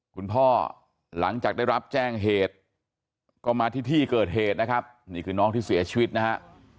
คุณพ่อหลังจากได้รับแจ้งเหตุก็มาที่ที่เกิดเหตุนะครับนี่คือน้องที่เสียชีวิตนะฮะ